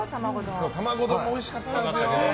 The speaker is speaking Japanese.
玉子丼もおいしかったですよ。